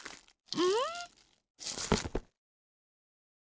うん？